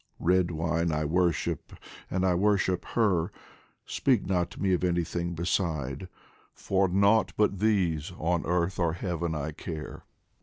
Red wine I worship, and I worship her ! Speak not to me of anything beside, For nought but these on earth or heaven I care.